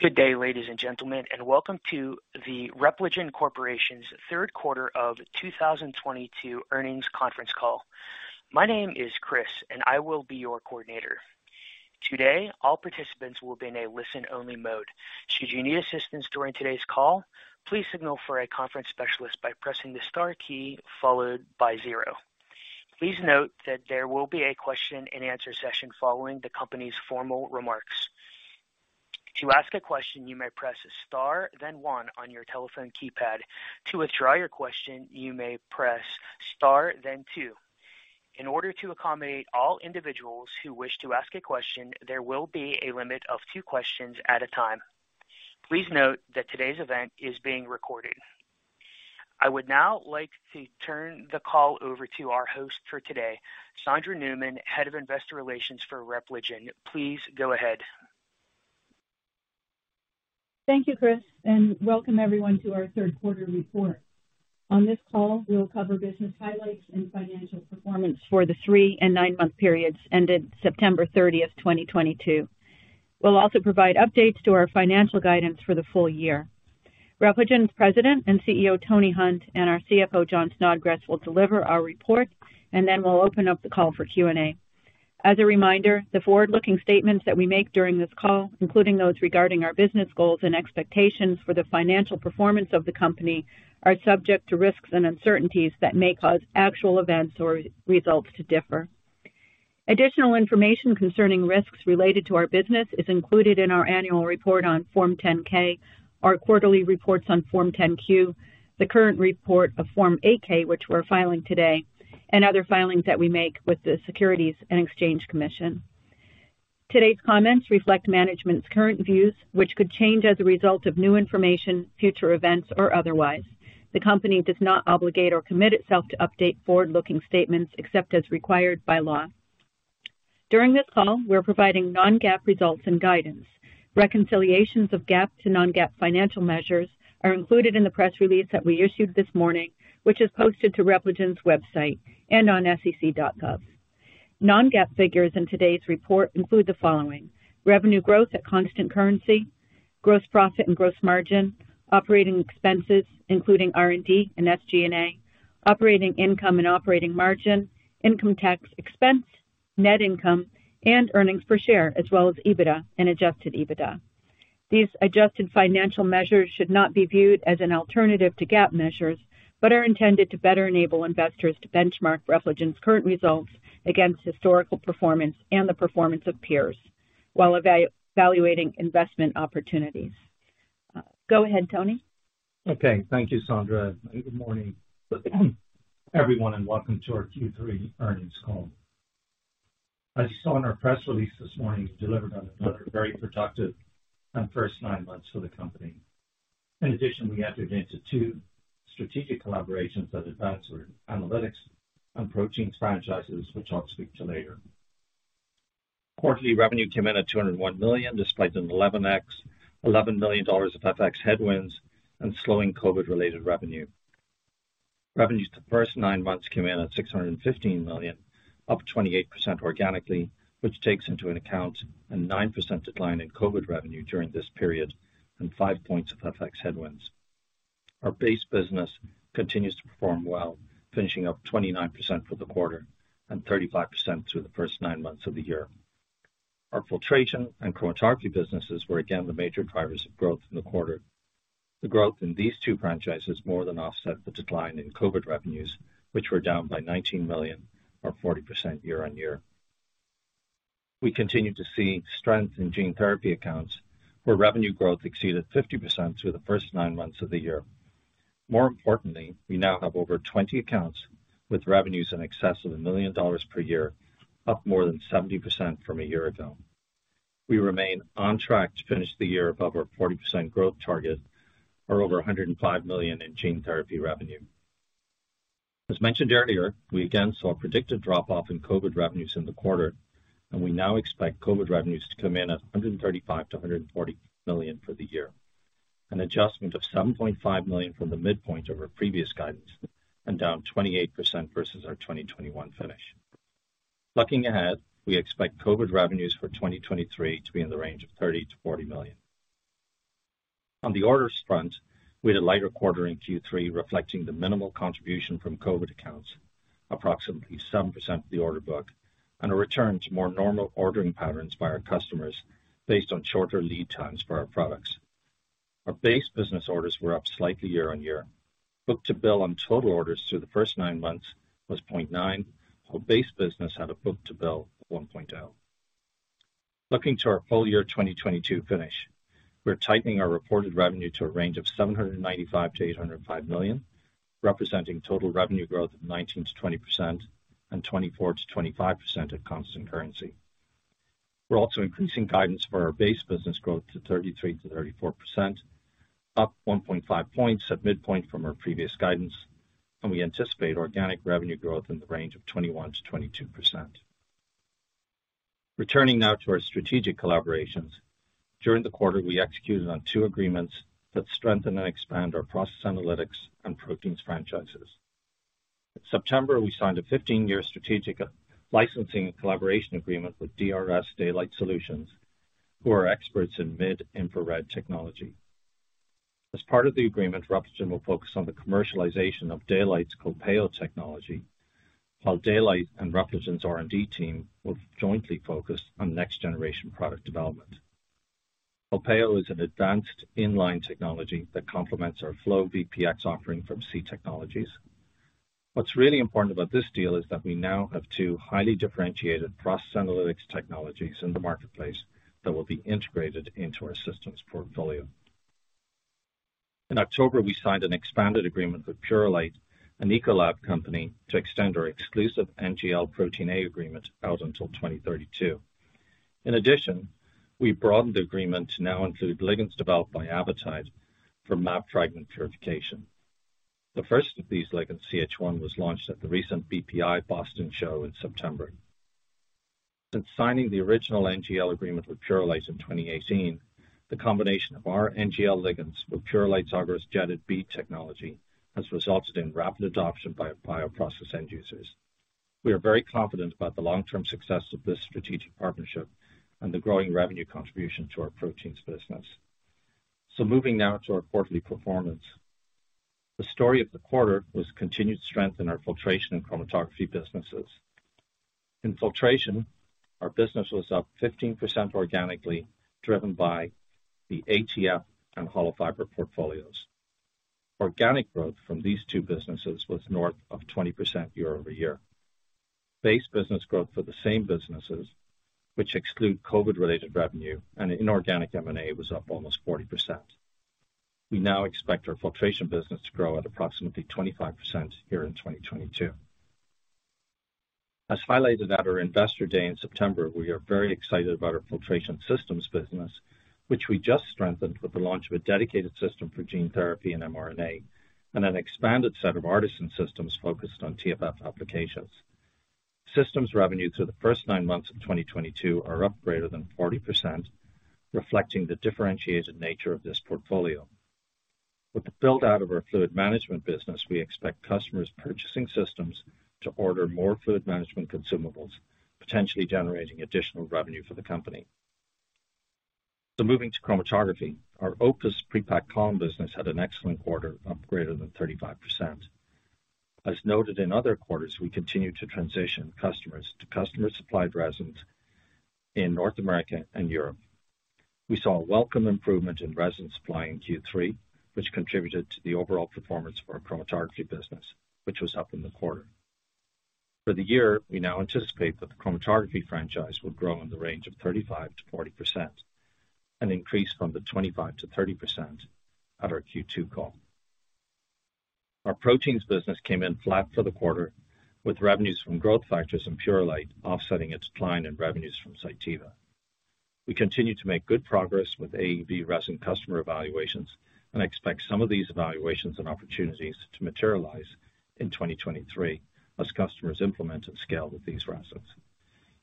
Good day, ladies and gentlemen, and welcome to the Repligen Corporation's third quarter of 2022 earnings conference call. My name is Chris and I will be your coordinator. Today, all participants will be in a listen-only mode. Should you need assistance during today's call, please signal for a conference specialist by pressing the star key followed by zero. Please note that there will be a question-and-answer session following the company's formal remarks. To ask a question, you may press star then one on your telephone keypad. To withdraw your question, you may press star then two. In order to accommodate all individuals who wish to ask a question, there will be a limit of two questions at a time. Please note that today's event is being recorded. I would now like to turn the call over to our host for today, Sondra Newman, Head of Investor Relations for Repligen. Please go ahead. Thank you, Chris, and welcome everyone to our third quarter report. On this call, we'll cover business highlights and financial performance for the three and nine month periods ended September 30, 2022. We'll also provide updates to our financial guidance for the full year. Repligen's President and CEO, Tony Hunt, and our CFO, Jon Snodgres, will deliver our report, and then we'll open up the call for Q&A. As a reminder, the forward-looking statements that we make during this call, including those regarding our business goals and expectations for the financial performance of the company, are subject to risks and uncertainties that may cause actual events or results to differ. Additional information concerning risks related to our business is included in our annual report on Form 10-K, our quarterly reports on Form 10-Q, the current report on Form 8-K, which we're filing today, and other filings that we make with the Securities and Exchange Commission. Today's comments reflect management's current views, which could change as a result of new information, future events, or otherwise. The company does not obligate or commit itself to update forward-looking statements except as required by law. During this call, we're providing non-GAAP results and guidance. Reconciliations of GAAP to non-GAAP financial measures are included in the press release that we issued this morning, which is posted to Repligen's website and on sec.gov. Non-GAAP figures in today's report include the following, revenue growth at constant currency, gross profit and gross margin, operating expenses, including R&D and SG&A, operating income and operating margin, income tax expense, net income and earnings per share, as well as EBITDA and adjusted EBITDA. These adjusted financial measures should not be viewed as an alternative to GAAP measures, but are intended to better enable investors to benchmark Repligen's current results against historical performance and the performance of peers while evaluating investment opportunities. Go ahead, Tony. Okay. Thank you, Sondra. Good morning, everyone, and welcome to our Q3 earnings call. As you saw in our press release this morning, we delivered on another very productive first nine months for the company. In addition, we entered into two strategic collaborations that advance our analytics and proteins franchises, which I'll speak to later. Quarterly revenue came in at $201 million, despite an $11 million of FX headwinds and slowing COVID-related revenue. Revenue for the first nine months came in at $615 million, up 28% organically, which takes into account a 9% decline in COVID revenue during this period and five points of FX headwinds. Our base business continues to perform well, finishing up 29% for the quarter and 35% through the first nine months of the year. Our filtration and chromatography businesses were again the major drivers of growth in the quarter. The growth in these two franchises more than offset the decline in COVID revenues, which were down by $19 million or 40% year-on-year. We continue to see strength in gene therapy accounts, where revenue growth exceeded 50% through the first nine months of the year. More importantly, we now have over 20 accounts with revenues in excess of $1 million per year, up more than 70% from a year ago. We remain on track to finish the year above our 40% growth target or over $105 million in gene therapy revenue. As mentioned earlier, we again saw a predicted drop-off in COVID revenues in the quarter, and we now expect COVID revenues to come in at $135 million-$140 million for the year, an adjustment of $7.5 million from the midpoint of our previous guidance and down 28% versus our 2021 finish. Looking ahead, we expect COVID revenues for 2023 to be in the range of $30 million-$40 million. On the orders front, we had a lighter quarter in Q3, reflecting the minimal contribution from COVID accounts, approximately 7% of the order book, and a return to more normal ordering patterns by our customers based on shorter lead times for our products. Our base business orders were up slightly year-on-year. Book-to-bill on total orders through the first nine months was 0.9, while base business had a book-to-bill of 1.0. Looking to our full year 2022 finish, we're tightening our reported revenue to a range of $795 million-$805 million, representing total revenue growth of 19%-20% and 24%-25% at constant currency. We're also increasing guidance for our base business growth to 33%-34%, up 1.5 points at midpoint from our previous guidance, and we anticipate organic revenue growth in the range of 21%-22%. Returning now to our strategic collaborations. During the quarter, we executed on two agreements that strengthen and expand our process analytics and proteins franchises. September, we signed a 15-year strategic licensing and collaboration agreement with DRS Daylight Solutions, who are experts in mid-infrared technology. As part of the agreement, Repligen will focus on the commercialization of Daylight Solutions' Culpeo technology, while Daylight Solutions and Repligen's R&D team will jointly focus on next-generation product development. Culpeo is an advanced in-line technology that complements our FlowVPX offering from C Technologies. What's really important about this deal is that we now have two highly differentiated process analytics technologies in the marketplace that will be integrated into our systems portfolio. In October, we signed an expanded agreement with Purolite, an Ecolab company, to extend our exclusive NGL-Impact A agreement out until 2032. In addition, we broadened the agreement to now include ligands developed by Avitide for mAb fragment purification. The first of these ligands, CH1, was launched at the recent BPI Boston show in September. Since signing the original NGL agreement with Purolite in 2018, the combination of our NGL ligands with Purolite's jetted agarose bead technology has resulted in rapid adoption by our bioprocess end users. We are very confident about the long-term success of this strategic partnership and the growing revenue contribution to our proteins business. Moving now to our quarterly performance. The story of the quarter was continued strength in our filtration and chromatography businesses. In filtration, our business was up 15% organically, driven by the ATF and hollow fiber portfolios. Organic growth from these two businesses was north of 20% year-over-year. Base business growth for the same businesses, which exclude COVID-related revenue and inorganic M&A, was up almost 40%. We now expect our filtration business to grow at approximately 25% in 2022. As highlighted at our Investor Day in September, we are very excited about our filtration systems business, which we just strengthened with the launch of a dedicated system for gene therapy and mRNA, and an expanded set of Artesyn systems focused on TFF applications. Systems revenue through the first nine months of 2022 are up greater than 40%, reflecting the differentiated nature of this portfolio. With the build-out of our fluid management business, we expect customers purchasing systems to order more fluid management consumables, potentially generating additional revenue for the company. Moving to chromatography, our OPUS prepacked column business had an excellent quarter of greater than 35%. As noted in other quarters, we continue to transition customers to customer-supplied resins in North America and Europe. We saw a welcome improvement in resin supply in Q3, which contributed to the overall performance of our chromatography business, which was up in the quarter. For the year, we now anticipate that the chromatography franchise will grow in the range of 35%-40%, an increase from the 25%-30% at our Q2 call. Our proteins business came in flat for the quarter, with revenues from growth factors in Purolite offsetting a decline in revenues from Cytiva. We continue to make good progress with AAV resin customer evaluations and expect some of these evaluations and opportunities to materialize in 2023 as customers implement and scale with these resins.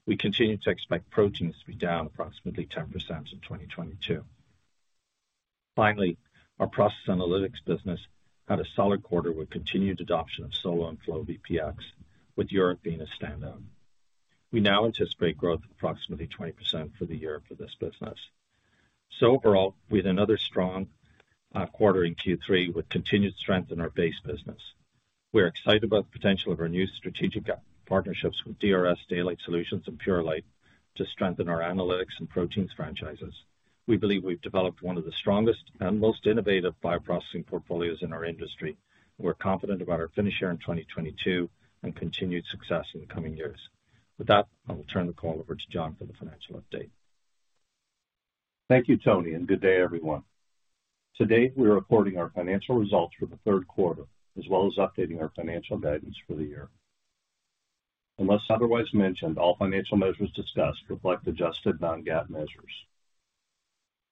We continue to expect proteins to be down approximately 10% in 2022. Finally, our process analytics business had a solid quarter with continued adoption of Solo and FlowVPX, with Europe being a standout. We now anticipate growth of approximately 20% for the year for this business. Overall, we had another strong quarter in Q3 with continued strength in our base business. We are excited about the potential of our new strategic partnerships with DRS Daylight Solutions and Purolite to strengthen our analytics and proteins franchises. We believe we've developed one of the strongest and most innovative bioprocessing portfolios in our industry, and we're confident about our finish here in 2022 and continued success in the coming years. With that, I will turn the call over to Jon Snodgrass for the financial update. Thank you, Tony, and good day, everyone. Today, we are reporting our financial results for the third quarter, as well as updating our financial guidance for the year. Unless otherwise mentioned, all financial measures discussed reflect adjusted non-GAAP measures.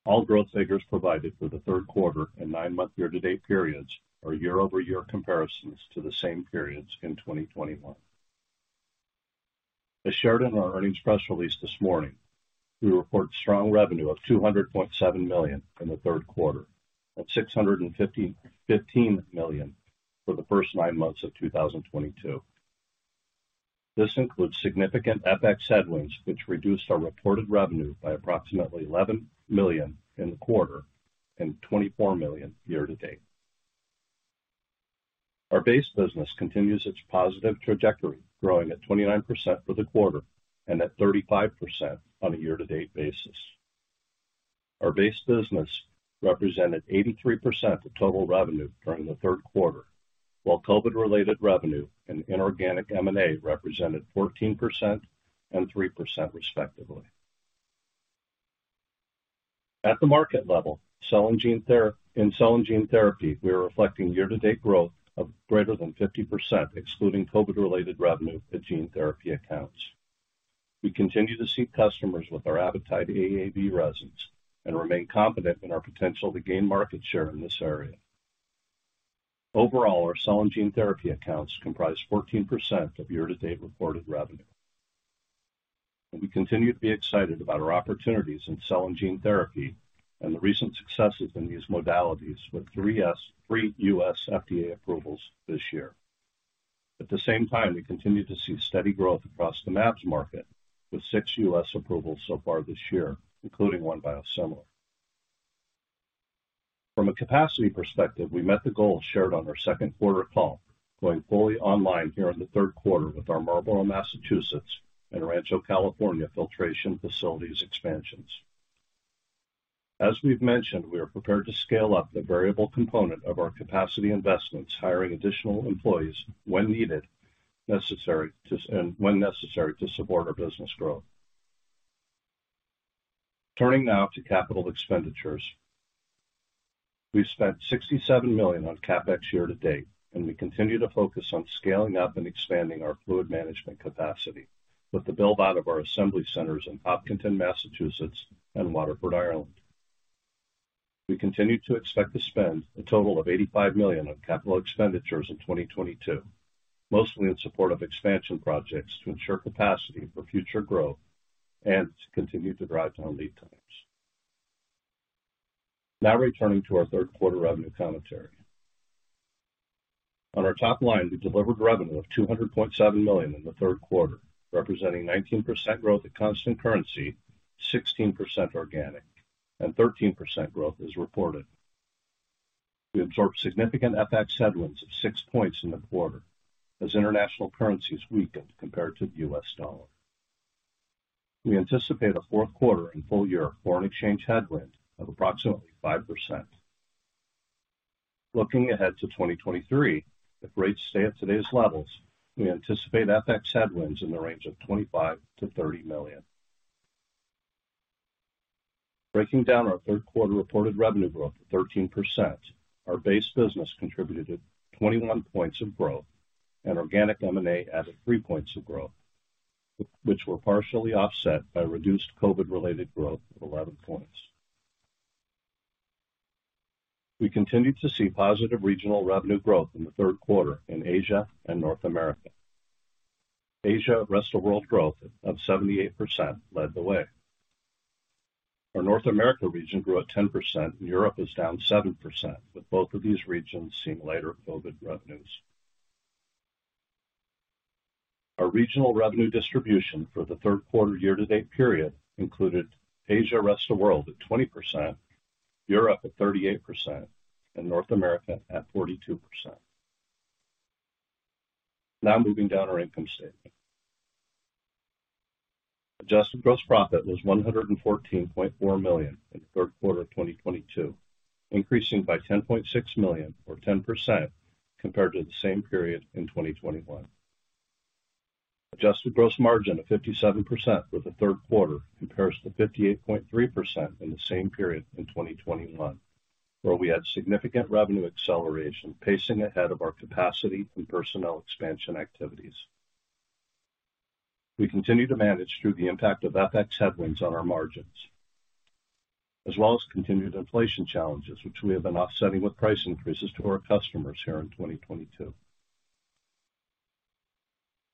All growth figures provided for the third quarter and nine-month year-to-date periods are year-over-year comparisons to the same periods in 2021. As shared in our earnings press release this morning, we report strong revenue of $200.7 million in the third quarter and $615 million for the first nine months of 2022. This includes significant FX headwinds, which reduced our reported revenue by approximately $11 million in the quarter and $24 million year to date. Our base business continues its positive trajectory, growing at 29% for the quarter and at 35% on a year-to-date basis. Our base business represented 83% of total revenue during the third quarter, while COVID-related revenue and inorganic M&A represented 14% and 3% respectively. At the market level, in cell and gene therapy, we are reflecting year-to-date growth of greater than 50%, excluding COVID-related revenue at gene therapy accounts. We continue to see customers with our Avitide AAV resins and remain confident in our potential to gain market share in this area. Overall, our cell and gene therapy accounts comprise 14% of year-to-date reported revenue. We continue to be excited about our opportunities in cell and gene therapy and the recent successes in these modalities with three U.S. FDA approvals this year. At the same time, we continue to see steady growth across the mAbs market, with six U.S. approvals so far this year, including one biosimilar. From a capacity perspective, we met the goals shared on our second quarter call, going fully online here in the third quarter with our Marlborough, Massachusetts, and Rancho Dominguez, California, filtration facilities expansions. As we've mentioned, we are prepared to scale up the variable component of our capacity investments, hiring additional employees when necessary to support our business growth. Turning now to capital expenditures. We've spent $67 million on CapEx year to date, and we continue to focus on scaling up and expanding our fluid management capacity with the build-out of our assembly centers in Hopkinton, Massachusetts, and Waterford, Ireland. We continue to expect to spend a total of $85 million on capital expenditures in 2022, mostly in support of expansion projects to ensure capacity for future growth and to continue to drive down lead times. Now returning to our third quarter revenue commentary. On our top line, we delivered revenue of $200.7 million in the third quarter, representing 19% growth at constant currency, 16% organic, and 13% growth as reported. We absorbed significant FX headwinds of six points in the quarter as international currencies weakened compared to the US dollar. We anticipate a fourth quarter and full year foreign exchange headwind of approximately 5%. Looking ahead to 2023, if rates stay at today's levels, we anticipate FX headwinds in the range of $25 million-$30 million. Breaking down our third quarter reported revenue growth of 13%, our base business contributed 21 points of growth and organic M&A added three points of growth, which were partially offset by reduced COVID-related growth of 11 points. We continued to see positive regional revenue growth in the third quarter in Asia and North America. Asia Rest of World growth of 78% led the way. Our North America region grew at 10% and Europe is down 7%, with both of these regions seeing lighter COVID revenues. Our regional revenue distribution for the third quarter year-to-date period included Asia Rest of World at 20%, Europe at 38%, and North America at 42%. Now moving down our income statement. Adjusted gross profit was $114.4 million in the third quarter of 2022, increasing by $10.6 million or 10% compared to the same period in 2021. Adjusted gross margin of 57% for the third quarter compares to 58.3% in the same period in 2021, where we had significant revenue acceleration pacing ahead of our capacity and personnel expansion activities. We continue to manage through the impact of FX headwinds on our margins, as well as continued inflation challenges, which we have been offsetting with price increases to our customers here in 2022.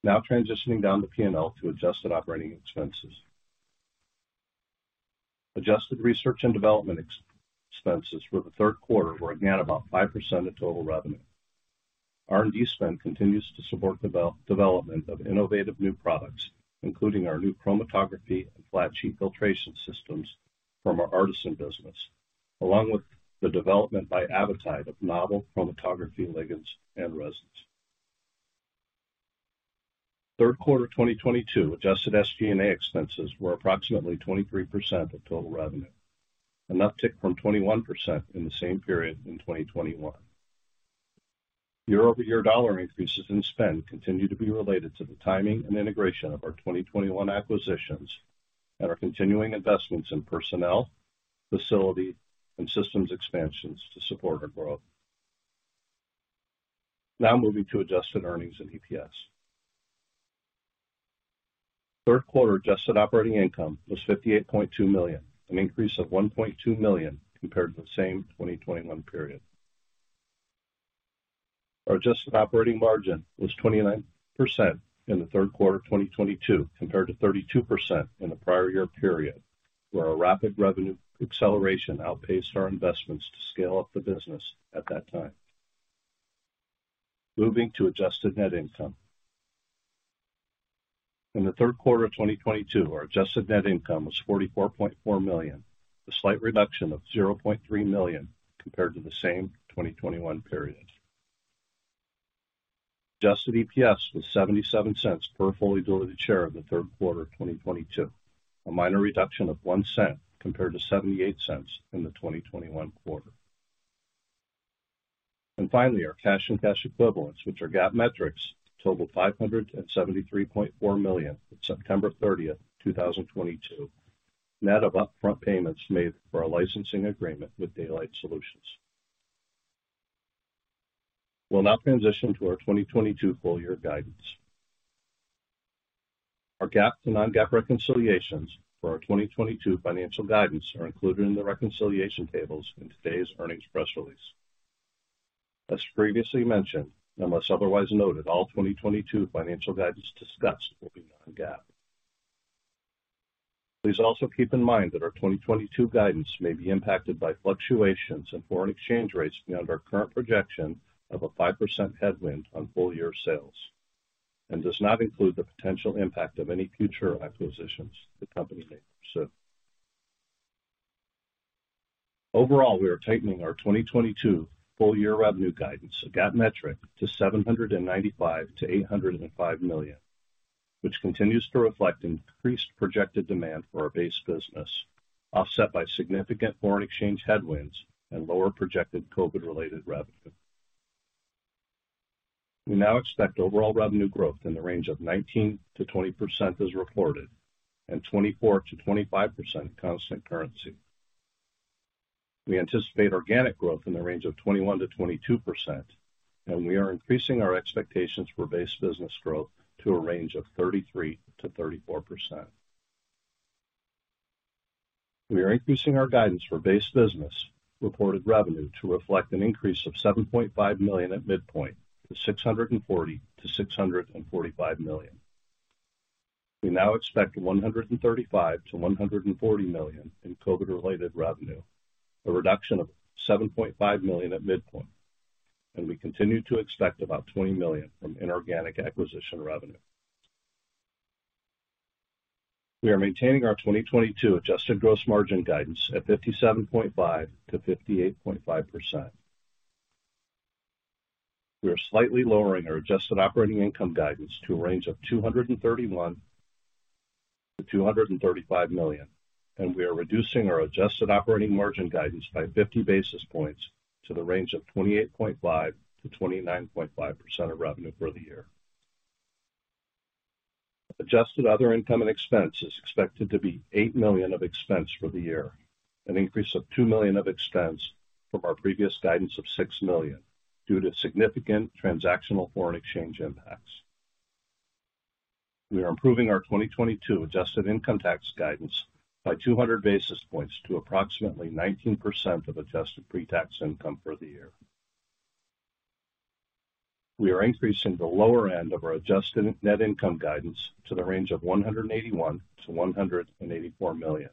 Now transitioning down the P&L to adjusted operating expenses. Adjusted research and development expenses for the third quarter were again about 5% of total revenue. R&D spend continues to support development of innovative new products, including our new chromatography and flat-sheet filtration systems from our Artesyn business, along with the development by Avitide of novel chromatography ligands and resins. Third quarter 2022 adjusted SG&A expenses were approximately 23% of total revenue, an uptick from 21% in the same period in 2021. Year-over-year dollar increases in spend continue to be related to the timing and integration of our 2021 acquisitions and our continuing investments in personnel, facility, and systems expansions to support our growth. Now moving to adjusted earnings and EPS. Third quarter adjusted operating income was $58.2 million, an increase of $1.2 million compared to the same 2021 period. Our adjusted operating margin was 29% in the third quarter of 2022, compared to 32% in the prior year period, where our rapid revenue acceleration outpaced our investments to scale up the business at that time. Moving to adjusted net income. In the third quarter of 2022, our adjusted net income was $44.4 million, a slight reduction of $0.3 million compared to the same 2021 period. Adjusted EPS was $0.77 per fully diluted share in the third quarter of 2022, a minor reduction of $0.01 compared to $0.78 in the 2021 quarter. Finally, our cash and cash equivalents, which are GAAP metrics, totaled $573.4 million at September 30, 2022, net of upfront payments made for our licensing agreement with Daylight Solutions. We'll now transition to our 2022 full year guidance. Our GAAP to non-GAAP reconciliations for our 2022 financial guidance are included in the reconciliation tables in today's earnings press release. As previously mentioned, unless otherwise noted, all 2022 financial guidance discussed will be non-GAAP. Please also keep in mind that our 2022 guidance may be impacted by fluctuations in foreign exchange rates beyond our current projection of a 5% headwind on full year sales, and does not include the potential impact of any future acquisitions the company may pursue. Overall, we are tightening our 2022 full year revenue guidance of GAAP metric to $795 million-$805 million, which continues to reflect increased projected demand for our base business, offset by significant foreign exchange headwinds and lower projected COVID-related revenue. We now expect overall revenue growth in the range of 19%-20% as reported, and 24%-25% constant currency. We anticipate organic growth in the range of 21%-22%, and we are increasing our expectations for base business growth to a range of 33%-34%. We are increasing our guidance for base business reported revenue to reflect an increase of $7.5 million at midpoint to $640 million-$645 million. We now expect $135 million-$140 million in COVID-related revenue, a reduction of $7.5 million at midpoint. We continue to expect about $20 million from inorganic acquisition revenue. We are maintaining our 2022 adjusted gross margin guidance at 57.5%-58.5%. We are slightly lowering our adjusted operating income guidance to a range of $231 million-$235 million, and we are reducing our adjusted operating margin guidance by 50 basis points to the range of 28.5%-29.5% of revenue for the year. Adjusted other income and expense is expected to be $8 million of expense for the year, an increase of $2 million of expense from our previous guidance of $6 million due to significant transactional foreign exchange impacts. We are improving our 2022 adjusted income tax guidance by 200 basis points to approximately 19% of adjusted pre-tax income for the year. We are increasing the lower end of our adjusted net income guidance to the range of $181 million-$184 million,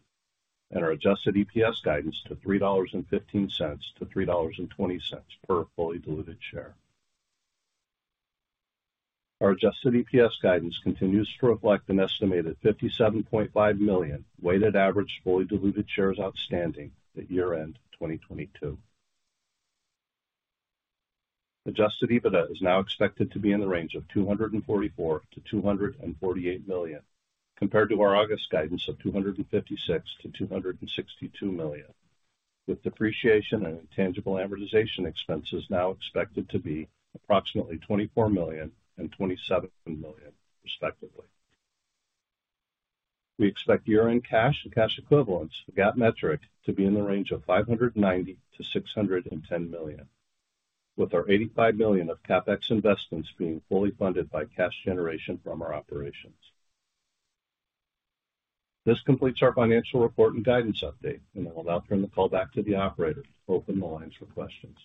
and our adjusted EPS guidance to $3.15-$3.20 per fully diluted share. Our adjusted EPS guidance continues to reflect an estimated 57.5 million weighted average fully diluted shares outstanding at year-end 2022. Adjusted EBITDA is now expected to be in the range of $244 million-$248 million, compared to our August guidance of $256 million-$262 million, with depreciation and intangible amortization expenses now expected to be approximately $24 million and $27 million, respectively. We expect year-end cash and cash equivalents for GAAP metric to be in the range of $590 million-$610 million, with our $85 million of CapEx investments being fully funded by cash generation from our operations. This completes our financial report and guidance update. I'll now turn the call back to the operator to open the lines for questions.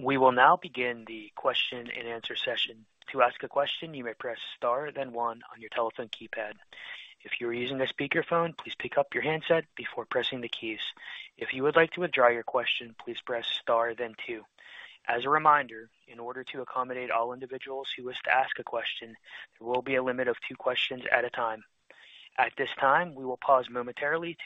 We will now begin the question-and-answer session. To ask a question, you may press star then one on your telephone keypad. If you're using a speakerphone, please pick up your handset before pressing the keys. If you would like to withdraw your question, please press star then two. As a reminder, in order to accommodate all individuals who wish to ask a question, there will be a limit of two questions at a time. At this time, we will pause momentarily.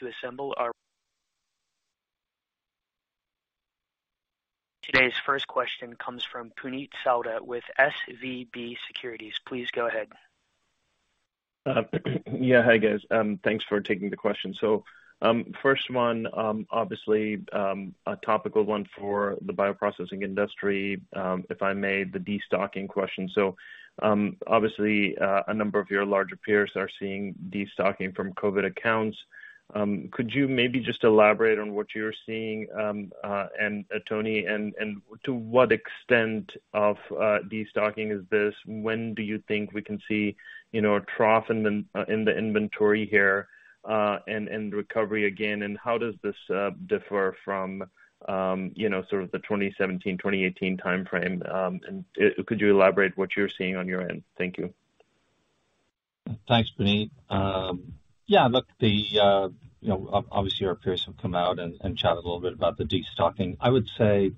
Today's first question comes from Puneet Souda with SVB Securities. Please go ahead. Yeah, hi guys. Thanks for taking the question. First one, obviously, a topical one for the bioprocessing industry, if I may, the destocking question. Obviously, a number of your larger peers are seeing destocking from COVID accounts. Could you maybe just elaborate on what you're seeing, and Tony, to what extent of destocking is this? When do you think we can see, you know, a trough in the inventory here, and recovery again? How does this differ from, you know, sort of the 2017, 2018 timeframe? Could you elaborate what you're seeing on your end? Thank you. Thanks, Puneet. Yeah, look, you know, obviously our peers have come out and chatted a little bit about the destocking. I would say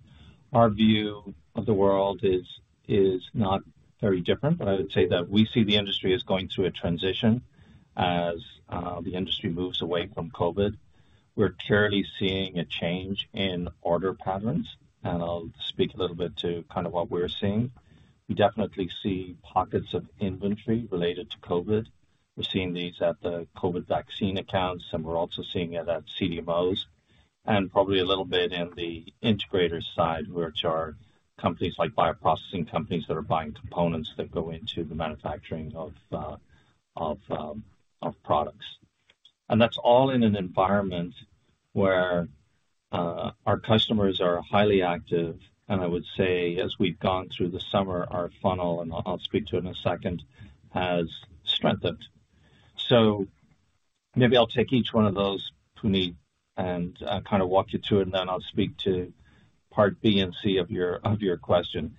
our view of the world is not very different. I would say that we see the industry as going through a transition as the industry moves away from COVID. We're clearly seeing a change in order patterns, and I'll speak a little bit to kind of what we're seeing. We definitely see pockets of inventory related to COVID. We're seeing these at the COVID vaccine accounts, and we're also seeing it at CDMOs and probably a little bit in the integrator side, which are companies like bioprocessing companies that are buying components that go into the manufacturing of products. That's all in an environment where our customers are highly active. I would say, as we've gone through the summer, our funnel, and I'll speak to in a second, has strengthened. Maybe I'll take each one of those, Punit, and kind of walk you through, and then I'll speak to part B and C of your question.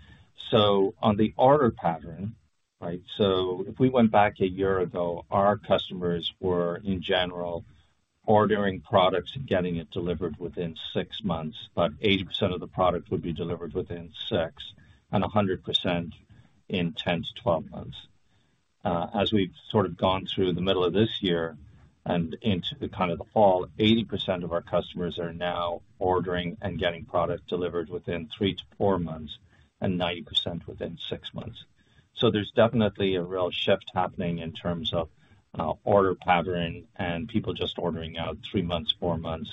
On the order pattern, right? If we went back a year ago, our customers were, in general, ordering products and getting it delivered within six months. About 80% of the product would be delivered within six months and 100% in 10-12 months. As we've sort of gone through the middle of this year and into the kind of the fall, 80% of our customers are now ordering and getting product delivered within three to four months and 90% within six months. There's definitely a real shift happening in terms of order patterning and people just ordering out three months, four months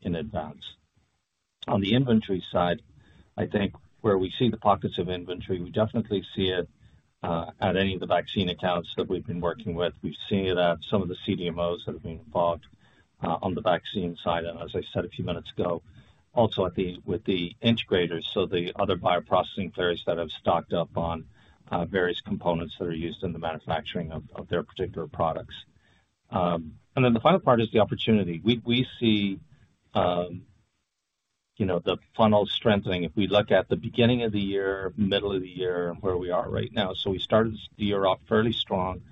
in advance. On the inventory side, I think where we see the pockets of inventory, we definitely see it at any of the vaccine accounts that we've been working with. We've seen it at some of the CDMOs that have been bought on the vaccine side, and as I said a few minutes ago, also with the integrators, so the other bioprocessing players that have stocked up on various components that are used in the manufacturing of their particular products. And then the final part is the opportunity. We see, you know, the funnel strengthening. If we look at the beginning of the year, middle of the year, and where we are right now. We started the year off fairly strong,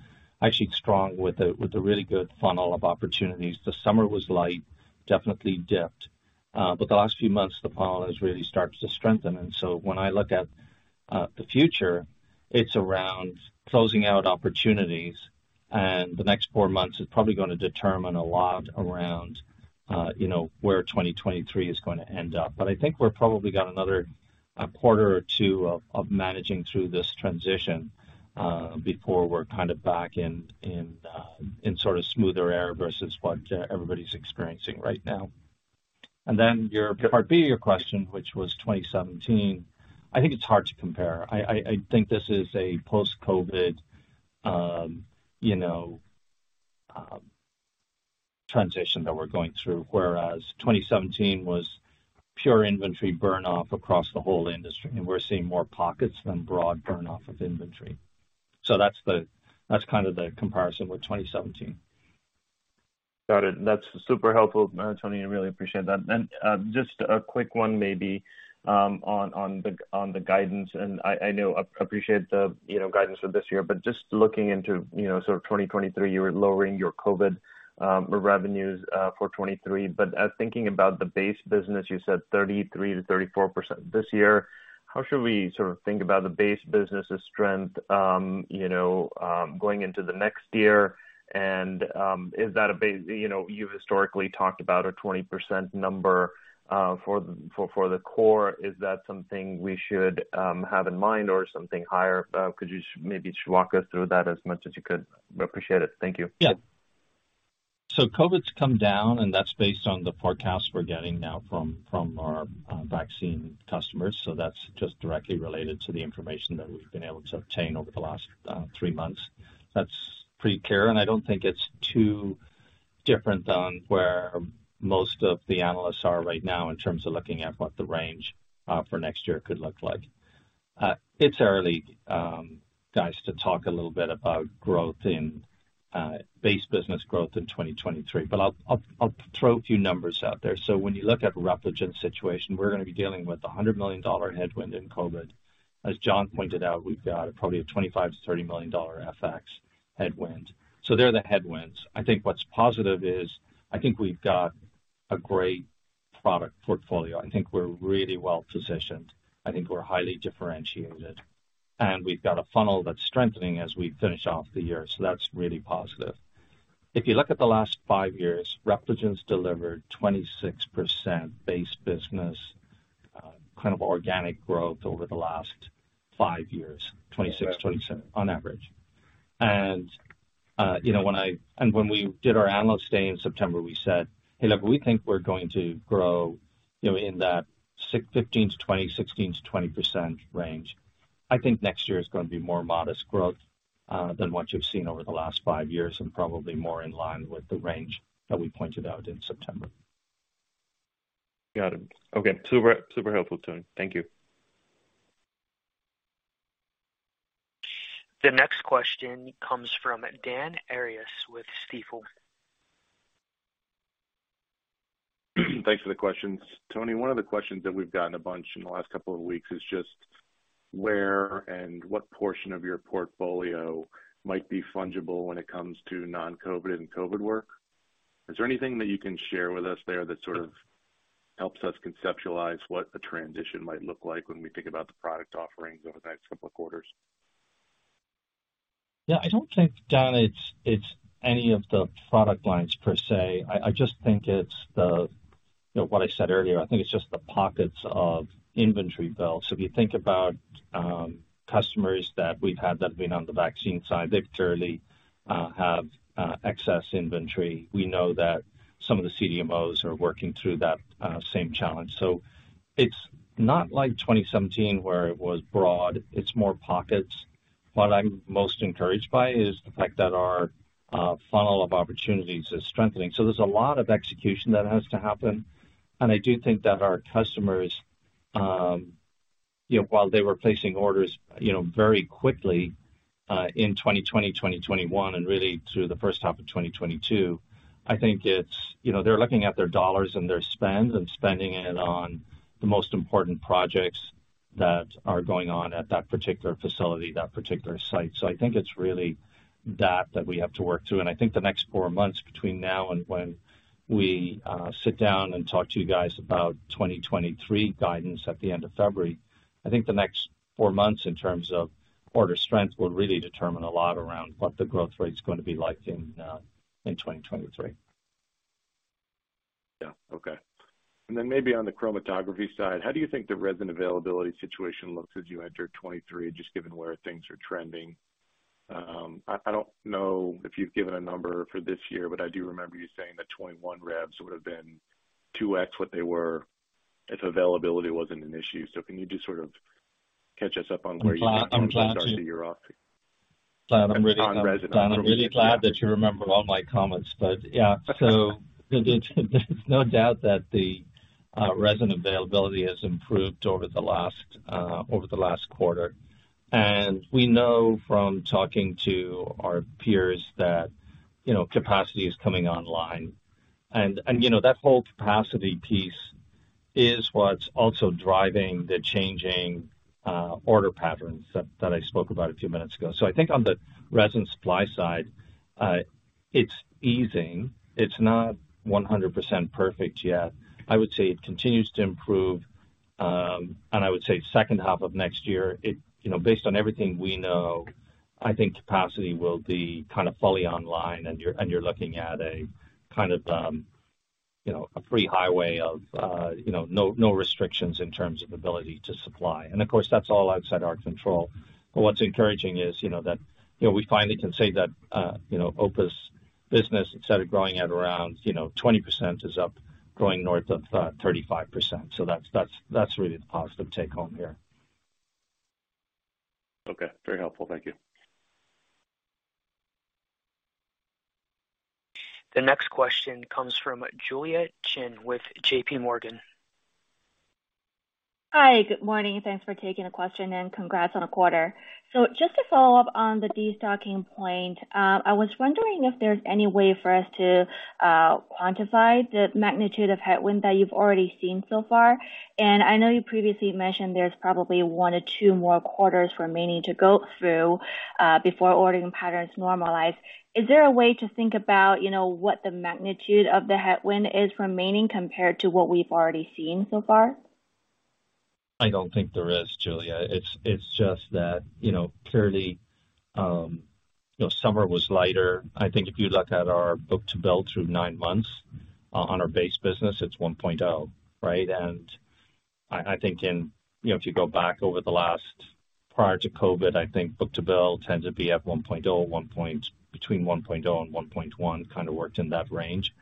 actually strong with a really good funnel of opportunities. The summer was light, definitely dipped. The last few months, the funnel has really started to strengthen. When I look at the future, it's around closing out opportunities, and the next four months is probably gonna determine a lot around, you know, where 2023 is going to end up. I think we're probably got another, a quarter or two of managing through this transition, before we're kind of back in sort of smoother air versus what everybody's experiencing right now. Then your part B of your question, which was 2017. I think it's hard to compare. I think this is a post-COVID, you know, transition that we're going through, whereas 2017 was pure inventory burn off across the whole industry, and we're seeing more pockets than broad burn off of inventory. That's kind of the comparison with 2017. Got it. That's super helpful, Tony. I really appreciate that. Just a quick one maybe on the guidance, and I know I appreciate the, you know, guidance for this year, but just looking into, you know, sort of 2023, you were lowering your COVID revenues for 2023. Thinking about the base business, you said 33%-34% this year. How should we sort of think about the base business' strength, you know, going into the next year? Is that a you know, you've historically talked about a 20% number for the core. Is that something we should have in mind or something higher? Could you maybe just walk us through that as much as you could? Appreciate it. Thank you. Yeah. COVID's come down, and that's based on the forecast we're getting now from our vaccine customers. That's just directly related to the information that we've been able to obtain over the last three months. That's pretty clear, and I don't think it's too different than where most of the analysts are right now in terms of looking at what the range for next year could look like. It's early, guys, to talk a little bit about growth in base business growth in 2023, but I'll throw a few numbers out there. When you look at Repligen's situation, we're gonna be dealing with a $100 million headwind in COVID. As Jon pointed out, we've got probably a $25 million-$30 million FX headwind. They're the headwinds. I think what's positive is, I think we've got a great product portfolio. I think we're really well-positioned. I think we're highly differentiated, and we've got a funnel that's strengthening as we finish off the year. That's really positive. If you look at the last five years, Repligen's delivered 26% base business kind of organic growth over the last five years, 26, 27 on average. You know, when we did our analyst day in September, we said, "Hey, look, we think we're going to grow, you know, in that 15%-20%, 16%-20% range." I think next year is gonna be more modest growth than what you've seen over the last five years and probably more in line with the range that we pointed out in September. Got it. Okay. Super, super helpful, Tony. Thank you. The next question comes from Dan Arias with Stifel. Thanks for the questions. Tony, one of the questions that we've gotten a bunch in the last couple of weeks is just where and what portion of your portfolio might be fungible when it comes to non-COVID and COVID work. Is there anything that you can share with us there that sort of helps us conceptualize what the transition might look like when we think about the product offerings over the next couple of quarters? Yeah. I don't think, Dan, it's any of the product lines per se. I just think it's the, you know, what I said earlier, I think it's just the pockets of inventory build. If you think about customers that we've had that have been on the vaccine side, they clearly have excess inventory. We know that some of the CDMOs are working through that same challenge. It's not like 2017, where it was broad. It's more pockets. What I'm most encouraged by is the fact that our funnel of opportunities is strengthening. There's a lot of execution that has to happen, and I do think that our customers, you know, while they were placing orders, you know, very quickly, in 2020, 2021, and really through the first half of 2022. I think it's, you know, they're looking at their dollars and their spend and spending it on the most important projects that are going on at that particular facility, that particular site. I think it's really that we have to work through. I think the next four months between now and when we sit down and talk to you guys about 2023 guidance at the end of February. I think the next four months in terms of order strength will really determine a lot around what the growth rate is gonna be like in 2023. Yeah. Okay. Maybe on the chromatography side, how do you think the resin availability situation looks as you enter 2023, just given where things are trending? I don't know if you've given a number for this year, but I do remember you saying that 2021 revs would have been 2x what they were if availability wasn't an issue. Can you just sort of catch us up on where you think things are today? I'm glad to. On resin. I'm really glad that you remember all my comments. Yeah, there's no doubt that the resin availability has improved over the last quarter. We know from talking to our peers that, you know, capacity is coming online. You know, that whole capacity piece is what's also driving the changing order patterns that I spoke about a few minutes ago. I think on the resin supply side, it's easing. It's not 100% perfect yet. I would say it continues to improve. I would say second half of next year, it You know, based on everything we know, I think capacity will be kind of fully online and you're looking at a kind of, you know, a free highway of, you know, no restrictions in terms of ability to supply. Of course, that's all outside our control. What's encouraging is, you know, that, you know, we finally can say that, you know, OPUS business instead of growing at around, you know, 20% is up growing north of 35%. That's really the positive take home here. Okay. Very helpful. Thank you. The next question comes from Julia Qin with J.P. Morgan. Hi. Good morning. Thanks for taking the question and congrats on the quarter. Just to follow up on the destocking point, I was wondering if there's any way for us to quantify the magnitude of headwind that you've already seen so far. I know you previously mentioned there's probably one or two more quarters remaining to go through before ordering patterns normalize. Is there a way to think about, you know, what the magnitude of the headwind is remaining compared to what we've already seen so far? I don't think there is, Julia. It's just that, you know, clearly, you know, summer was lighter. I think if you look at our book-to-bill through 9 months on our base business, it's 1.0, right? I think in. You know, if you go back prior to COVID, I think book-to-bill tends to be at 1.0, between 1.0 and 1.1, kind of, worked in that range.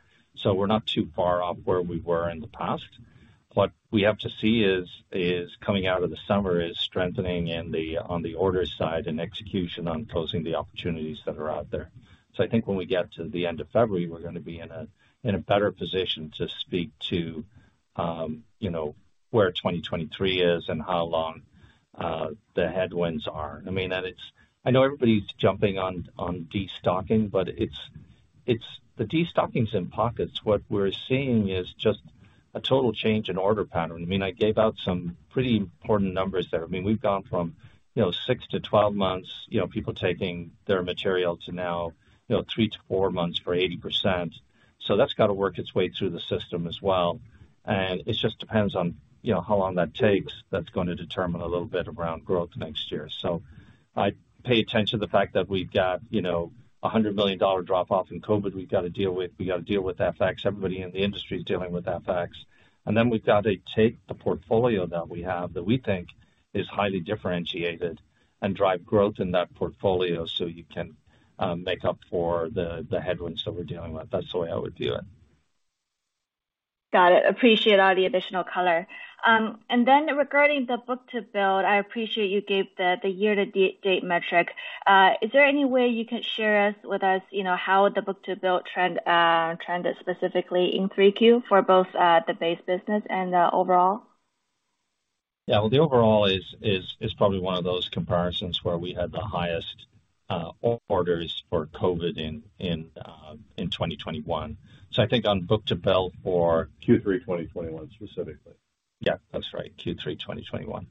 We're not too far off where we were in the past. What we have to see is coming out of the summer is strengthening on the order side and execution on closing the opportunities that are out there. I think when we get to the end of February, we're gonna be in a better position to speak to, you know, where 2023 is and how long the headwinds are. I mean, I know everybody's jumping on destocking, but it's the destocking is in pockets. What we're seeing is just a total change in order pattern. I mean, I gave out some pretty important numbers there. I mean, we've gone from, you know, 6-12 months, you know, people taking their material to now, you know, 3-4 months for 80%. That's got to work its way through the system as well. It just depends on, you know, how long that takes, that's gonna determine a little bit around growth next year. I'd pay attention to the fact that we've got, you know, a $100 million drop off in COVID we've got to deal with. We got to deal with FX. Everybody in the industry is dealing with FX. We've got to take the portfolio that we have that we think is highly differentiated and drive growth in that portfolio so you can make up for the headwinds that we're dealing with. That's the way I would view it. Got it. Appreciate all the additional color. Regarding the book-to-bill, I appreciate you gave the year-to-date metric. Is there any way you can share with us, you know, how the book-to-bill trended specifically in 3Q for both the base business and overall? Yeah. Well, the overall is probably one of those comparisons where we had the highest orders for COVID in 2021. I think on book-to-bill for- Q3 2021 specifically. Yeah, that's right. Q3 2021.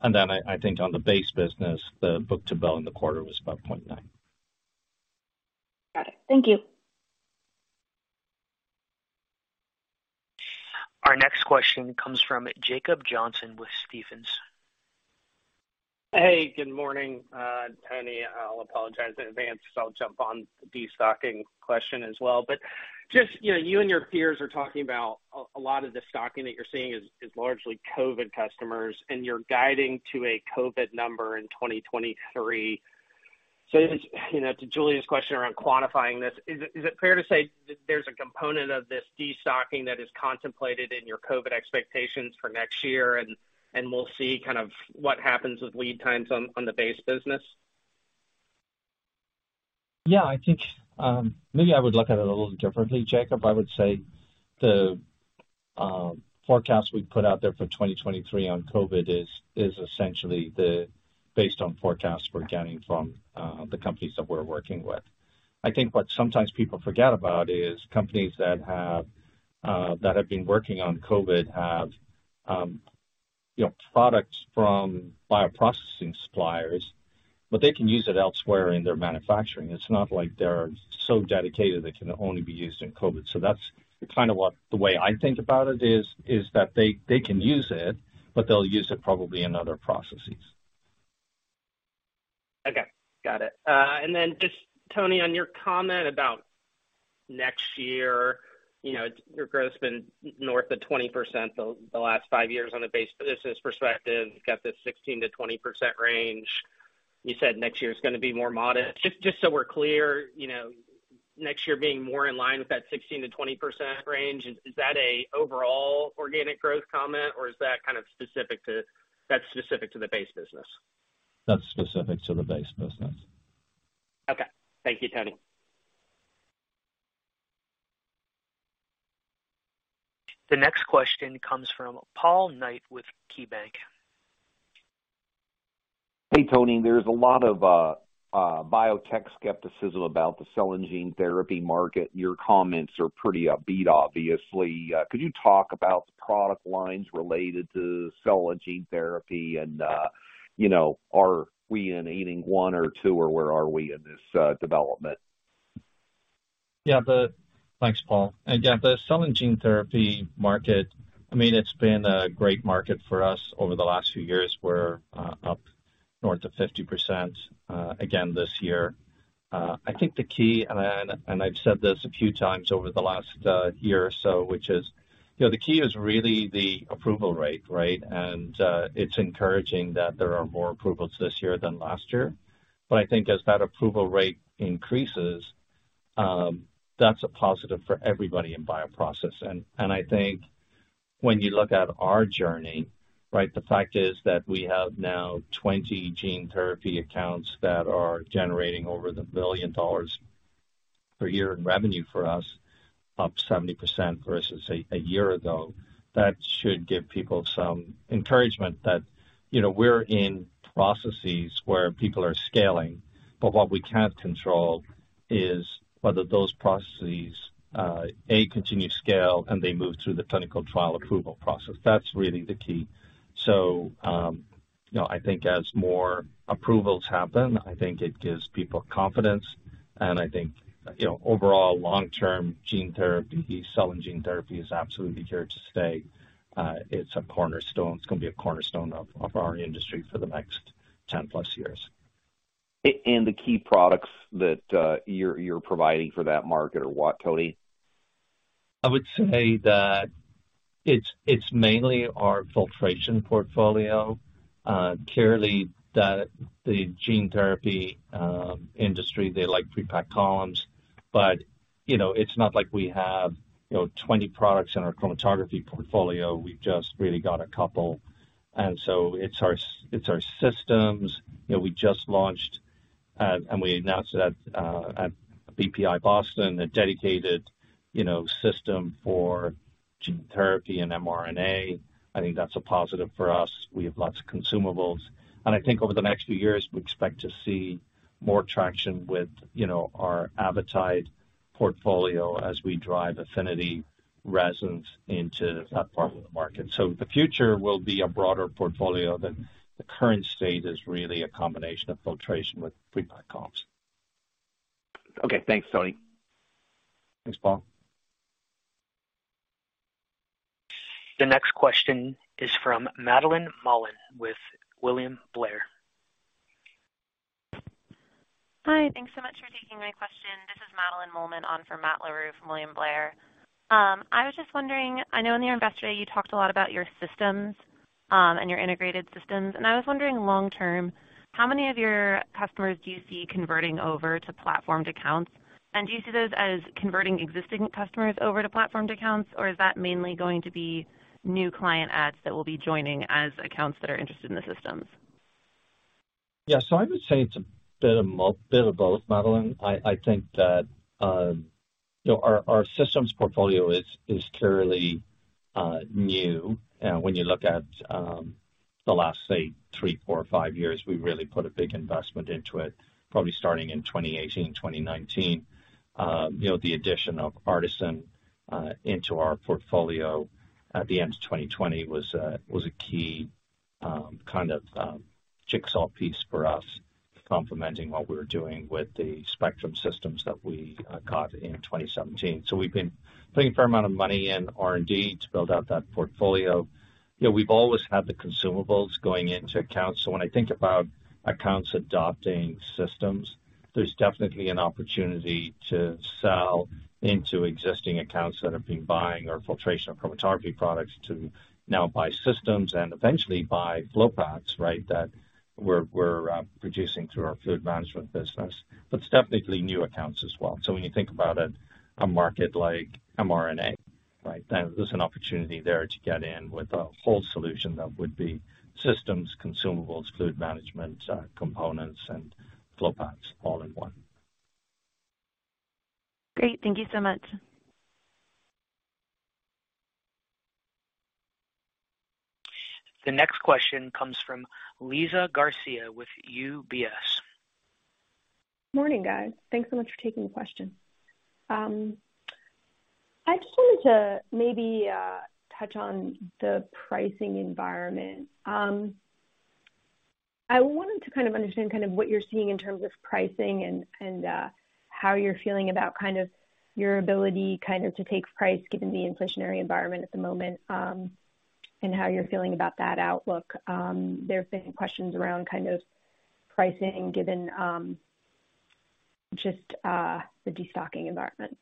I think on the base business, the book-to-bill in the quarter was about 0.9. Got it. Thank you. Our next question comes from Jacob Johnson with Stephens. Hey, good morning. Tony, I'll apologize in advance if I'll jump on the destocking question as well. You know, you and your peers are talking about a lot of the stocking that you're seeing is largely COVID customers, and you're guiding to a COVID number in 2023. You know, to Julia's question around quantifying this, is it fair to say there's a component of this destocking that is contemplated in your COVID expectations for next year, and we'll see kind of what happens with lead times on the base business? Yeah, I think maybe I would look at it a little differently, Jacob. I would say the forecast we put out there for 2023 on COVID is essentially based on the forecast we're getting from the companies that we're working with. I think what sometimes people forget about is companies that have been working on COVID have, you know, products from bioprocessing suppliers, but they can use it elsewhere in their manufacturing. It's not like they're so dedicated they can only be used in COVID. That's kind of the way I think about it, is that they can use it, but they'll use it probably in other processes. Okay. Got it. Just Tony, on your comment about next year, you know, your growth's been north of 20% the last five years on a base. This in perspective. Got the 16%-20% range. You said next year is going to be more modest. Just so we're clear, you know, next year being more in line with that 16%-20% range, is that an overall organic growth comment or is that kind of specific to the base business? That's specific to the base business. Okay. Thank you, Tony. The next question comes from Paul Knight with KeyBanc. Hey, Tony. There's a lot of biotech skepticism about the cell and gene therapy market. Your comments are pretty upbeat, obviously. Could you talk about the product lines related to cell and gene therapy and, you know, are we in inning one or two or where are we in this development? Yeah. Thanks, Paul. Again, the cell and gene therapy market, I mean it's been a great market for us over the last few years. We're up north of 50% again this year. I think the key, and I've said this a few times over the last year or so, which is, you know, the key is really the approval rate, right? It's encouraging that there are more approvals this year than last year. I think as that approval rate increases, that's a positive for everybody in bioprocess. I think when you look at our journey, right, the fact is that we have now 20 gene therapy accounts that are generating over $1 billion per year in revenue for us, up 70% versus a year ago. That should give people some encouragement that, you know, we're in processes where people are scaling, but what we can't control is whether those processes continue to scale and they move through the clinical trial approval process. That's really the key. So, you know, I think as more approvals happen, I think it gives people confidence. I think, you know, overall long-term gene therapy, cell and gene therapy is absolutely here to stay. It's a cornerstone. It's going to be a cornerstone of our industry for the next 10+ years. The key products that you're providing for that market are what, Tony? I would say that it's mainly our filtration portfolio. Clearly the gene therapy industry, they like prepacked columns. But you know, it's not like we have, you know, 20 products in our chromatography portfolio. We've just really got a couple. It's our systems. You know, we just launched and we announced that at BPI Boston, a dedicated, you know, system for gene therapy and mRNA. I think that's a positive for us. We have lots of consumables, and I think over the next few years we expect to see more traction with, you know, our Avitide portfolio as we drive affinity resins into that part of the market. The future will be a broader portfolio than the current state is really a combination of filtration with prepacked columns. Okay. Thanks, Tony. Thanks, Paul. The next question is from Madeline Meyer with William Blair. Hi. Thanks so much for taking my question. This is Madeline Meyer on for Matt Larew from William Blair. I was just wondering, I know in your Investor Day you talked a lot about your systems, and your integrated systems. I was wondering long term, how many of your customers do you see converting over to platformed accounts? Do you see those as converting existing customers over to platformed accounts, or is that mainly going to be new client adds that will be joining as accounts that are interested in the systems? Yeah. I would say it's a bit of both, Madeline. I think that, you know, our systems portfolio is clearly new. When you look at the last say three, four or five years, we really put a big investment into it, probably starting in 2018, 2019. You know, the addition of Artesyn into our portfolio at the end of 2020 was a key kind of jigsaw piece for us complementing what we were doing with the Spectrum systems that we got in 2017. We've been putting a fair amount of money in R&D to build out that portfolio. You know, we've always had the consumables going into accounts. When I think about accounts adopting systems, there's definitely an opportunity to sell into existing accounts that have been buying our filtration or chromatography products to now buy systems and eventually buy flow paths, right? That we're producing through our fluid management business, but it's definitely new accounts as well. When you think about it, a market like mRNA, right. There's an opportunity there to get in with a whole solution that would be systems, consumables, fluid management, components and flow paths all in one. Great. Thank you so much. The next question comes from Dan Leonard with UBS. Morning, guys. Thanks so much for taking the question. I just wanted to maybe touch on the pricing environment. I wanted to kind of understand kind of what you're seeing in terms of pricing and how you're feeling about kind of your ability kind of to take price given the inflationary environment at the moment, and how you're feeling about that outlook. There have been questions around kind of pricing given just the destocking environment.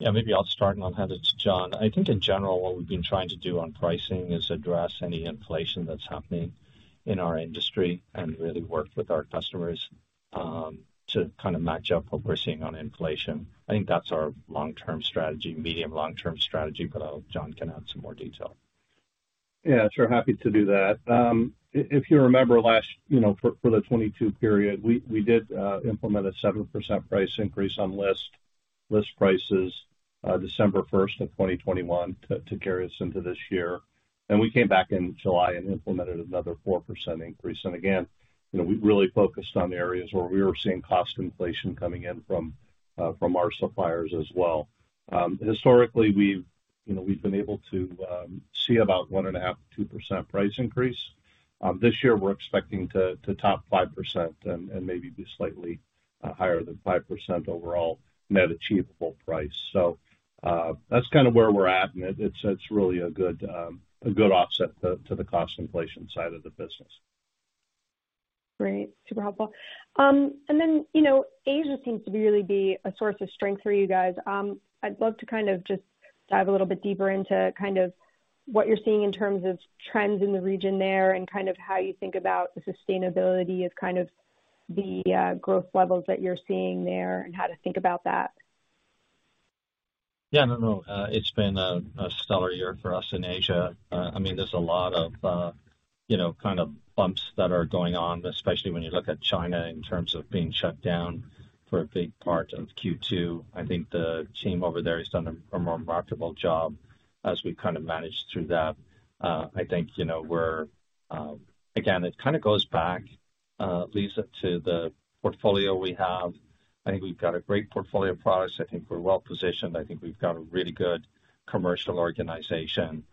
Yeah, maybe I'll start and I'll hand it to Jon Snodgrass. I think in general, what we've been trying to do on pricing is address any inflation that's happening in our industry and really work with our customers to kind of match up what we're seeing on inflation. I think that's our long-term strategy, medium long-term strategy, but I'll let Jon Snodgrass can add some more detail. Yeah, sure. Happy to do that. If you remember last, you know, for the 2022 period, we did implement a 7% price increase on list prices, December 1, 2021 to carry us into this year. We came back in July and implemented another 4% increase. Again, you know, we really focused on areas where we were seeing cost inflation coming in from our suppliers as well. Historically, we've, you know, been able to see about 1.5%-2% price increase. This year, we're expecting to top 5% and maybe be slightly higher than 5% overall net achievable price. That's kind of where we're at, and it's really a good offset to the cost inflation side of the business. Great. Super helpful. You know, Asia seems to really be a source of strength for you guys. I'd love to kind of just dive a little bit deeper into kind of what you're seeing in terms of trends in the region there, and kind of how you think about the sustainability of kind of the growth levels that you're seeing there and how to think about that. Yeah. No, no. It's been a stellar year for us in Asia. I mean, there's a lot of, you know, kind of bumps that are going on, especially when you look at China in terms of being shut down for a big part of Q2. I think the team over there has done a more remarkable job as we've kind of managed through that. Again, it kind of goes back, Dan Leonard, to the portfolio we have. I think we've got a great portfolio of products. I think we're well positioned. I think we've got a really good commercial organization.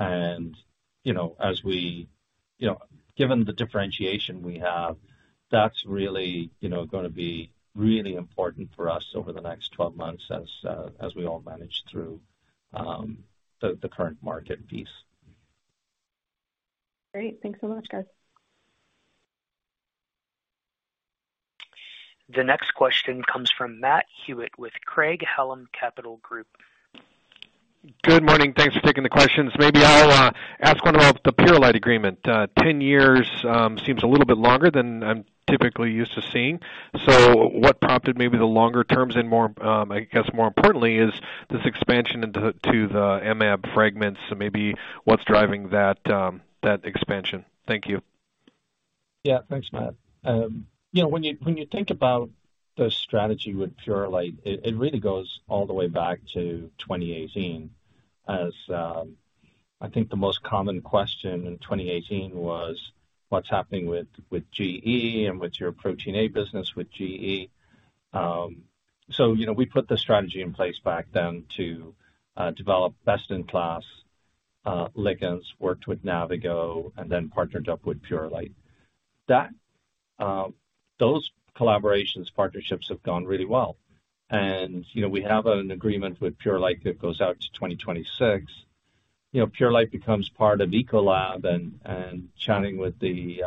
You know, as we, you know, given the differentiation we have, that's really, you know, gonna be really important for us over the next 12 months as we all manage through the current market piece. Great. Thanks so much, guys. The next question comes from Matt Hewitt with Craig-Hallum Capital Group. Good morning. Thanks for taking the questions. Maybe I'll ask one about the Purolite agreement. 10 years seems a little bit longer than I'm typically used to seeing. What prompted maybe the longer terms and more, I guess more importantly is this expansion into the mAb fragments, maybe what's driving that expansion? Thank you. Yeah. Thanks, Matt. You know, when you think about the strategy with Purolite, it really goes all the way back to 2018. I think the most common question in 2018 was what's happening with GE and with your Protein A business with GE. You know, we put the strategy in place back then to develop best-in-class ligands, worked with Navigo, and then partnered up with Purolite. Those collaborations, partnerships have gone really well. You know, we have an agreement with Purolite that goes out to 2026. You know, Purolite becomes part of Ecolab and chatting with the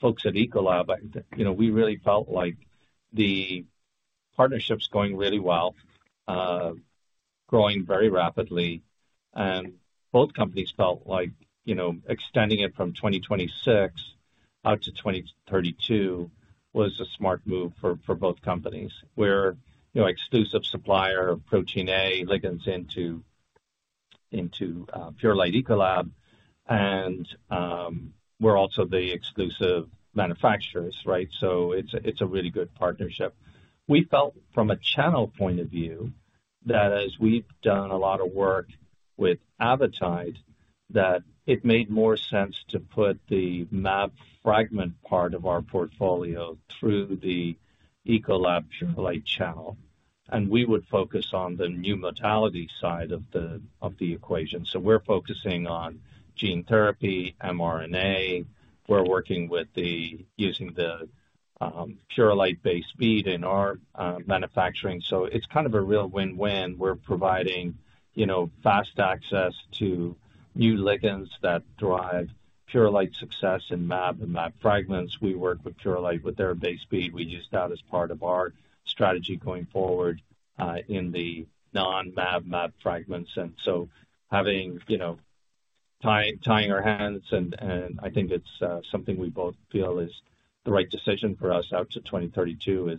folks at Ecolab, I you know, we really felt like the partnership's going really well, growing very rapidly. Both companies felt like, you know, extending it from 2026 out to 2032 was a smart move for both companies. We're, you know, exclusive supplier of Protein A ligands into Purolite Ecolab, and we're also the exclusive manufacturers, right? It's a really good partnership. We felt from a channel point of view that as we've done a lot of work with Avitide, that it made more sense to put the mAb fragment part of our portfolio through the Ecolab Purolite channel, and we would focus on the new modality side of the equation. We're focusing on gene therapy, mRNA. We're working with the using the Purolite base bead in our manufacturing. It's kind of a real win-win. We're providing, you know, fast access to new ligands that drive Purolite success in mAb and mAb fragments. We work with Purolite with their base bead. We use that as part of our strategy going forward in the monoclonal antibody mAb fragments. I think it's something we both feel is the right decision for us out to 2032.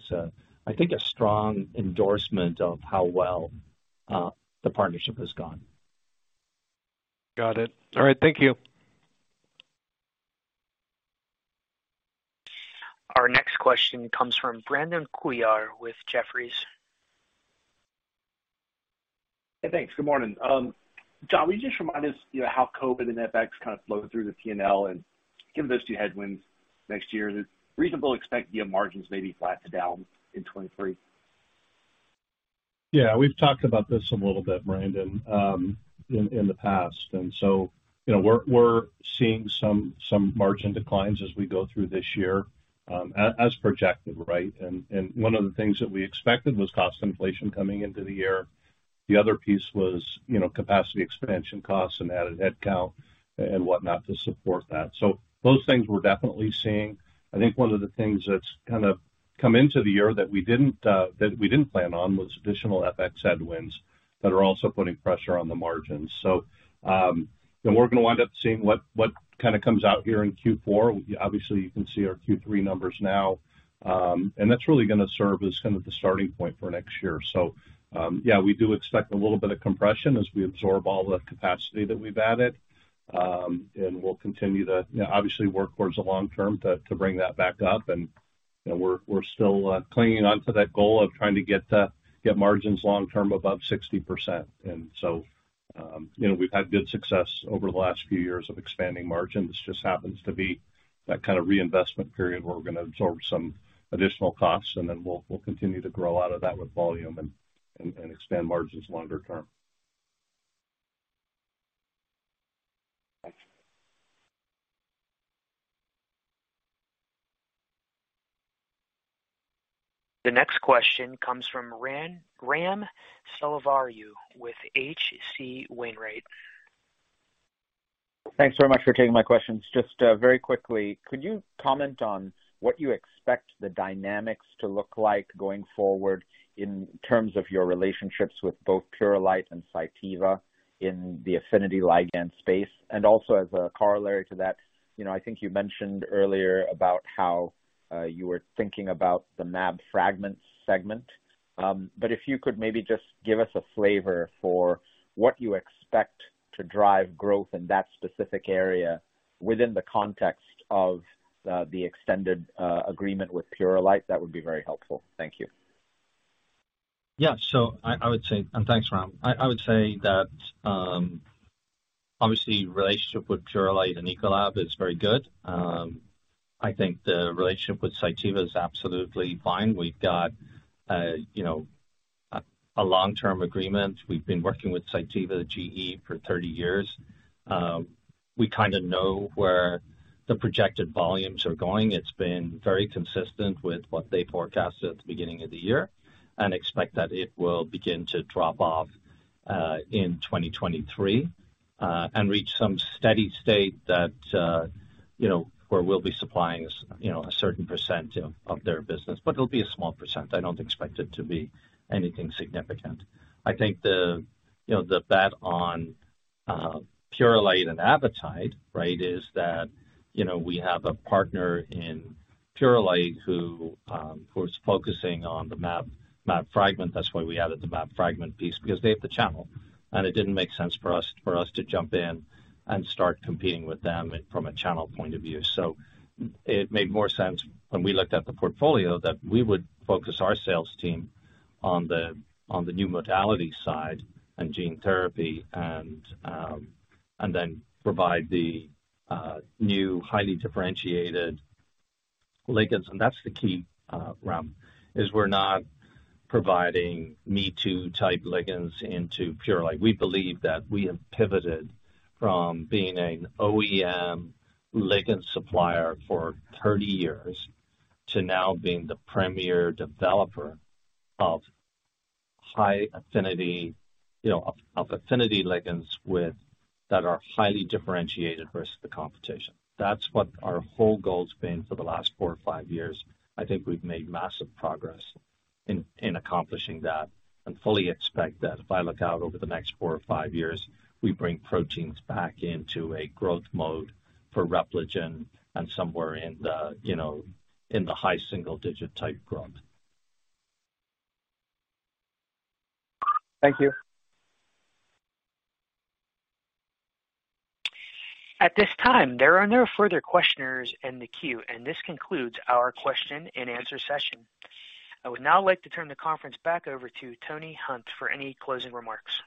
I think it's a strong endorsement of how well the partnership has gone. Got it. All right, thank you. Our next question comes from Brandon Couillard with Jefferies. Hey, thanks. Good morning. Jon, will you just remind us, you know, how COVID and FX kind of flow through the P&L and give those two headwinds next year? Is it reasonable to expect year margins may be flat to down in 2023? Yeah. We've talked about this a little bit, Brandon, in the past. You know, we're seeing some margin declines as we go through this year, as projected, right? One of the things that we expected was cost inflation coming into the year. The other piece was, you know, capacity expansion costs and added headcount and whatnot to support that. Those things we're definitely seeing. I think one of the things that's kind of come into the year that we didn't plan on was additional FX headwinds that are also putting pressure on the margins. We're gonna wind up seeing what kinda comes out here in Q4. Obviously, you can see our Q3 numbers now. That's really gonna serve as kind of the starting point for next year. We do expect a little bit of compression as we absorb all the capacity that we've added. We'll continue to, you know, obviously work towards the long term to bring that back up. You know, we're still clinging onto that goal of trying to get margins long term above 60%. You know, we've had good success over the last few years of expanding margins. This just happens to be that kind of reinvestment period where we're gonna absorb some additional costs, and then we'll continue to grow out of that with volume and expand margins longer term. Thanks. The next question comes from Ram Selvaraju with H.C. Wainwright. Thanks very much for taking my questions. Just very quickly, could you comment on what you expect the dynamics to look like going forward in terms of your relationships with both Purolite and Cytiva in the affinity ligand space? As a corollary to that, you know, I think you mentioned earlier about how you were thinking about the mAb fragments segment. If you could maybe just give us a flavor for what you expect to drive growth in that specific area within the context of the extended agreement with Purolite, that would be very helpful. Thank you. Yeah. I would say thanks, Ram. I would say that obviously, relationship with Purolite and Ecolab is very good. I think the relationship with Cytiva is absolutely fine. We've got you know, a long-term agreement. We've been working with Cytiva GE for 30 years. We kinda know where the projected volumes are going. It's been very consistent with what they forecasted at the beginning of the year, and expect that it will begin to drop off in 2023, and reach some steady state that you know, where we'll be supplying you know, a certain % of their business. But it'll be a small %. I don't expect it to be anything significant. I think, you know, the bet on Purolite and Avitide, right, is that, you know, we have a partner in Purolite who is focusing on the mAb fragment. That's why we added the mAb fragment piece because they have the channel, and it didn't make sense for us to jump in and start competing with them from a channel point of view. It made more sense when we looked at the portfolio that we would focus our sales team on the new modality side and gene therapy and then provide the new highly differentiated ligands. That's the key, Ram, is we're not providing me-too type ligands into Purolite. We believe that we have pivoted from being an OEM ligand supplier for 30 years to now being the premier developer of high affinity, you know, of affinity ligands that are highly differentiated versus the competition. That's what our whole goal's been for the last four or five years. I think we've made massive progress in accomplishing that and fully expect that if I look out over the next four or five years, we bring proteins back into a growth mode for Repligen and somewhere in the, you know, in the high single digit type growth. Thank you. At this time, there are no further questioners in the queue, and this concludes our question-and-answer session. I would now like to turn the conference back over to Tony Hunt for any closing remarks.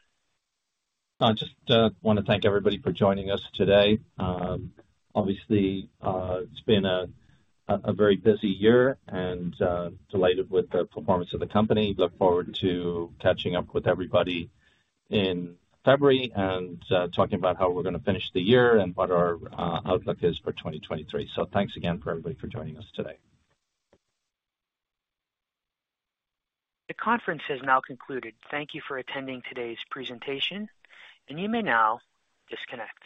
I just wanna thank everybody for joining us today. Obviously, it's been a very busy year and delighted with the performance of the company. Look forward to catching up with everybody in February and talking about how we're gonna finish the year and what our outlook is for 2023. Thanks again for everybody for joining us today. The conference has now concluded. Thank you for attending today's presentation, and you may now disconnect.